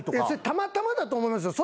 たまたまだと思いますよ